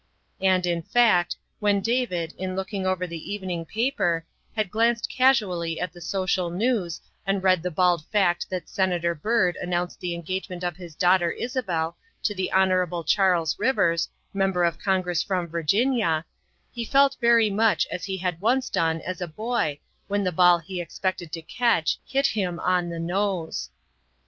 And, in fact, when David, in looking over the evening paper, had glanced casually at the social news, and read the bald fact that Senator Byrd announced the engage ment of his daughter Isabel to the Hon. Charles Rivers, Member of Congress from Virginia, he felt very much as he had done as a boy when the ball he expected to catch hit him on the nose.